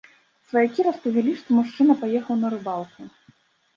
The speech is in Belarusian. Сваякі распавялі, што мужчына паехаў на рыбалку.